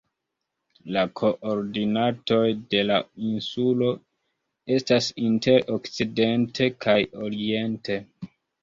La koordinatoj de la insulo estas inter okcidente kaj oriente.